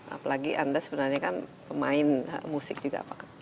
apalagi anda sebenarnya kan pemain musik juga